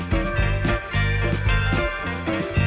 hẹn gặp lại